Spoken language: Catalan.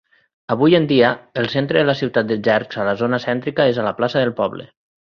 Avui en dia, el centre de la ciutat de Czersk a la zona céntrica és la plaça del poble.